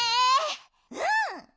うん！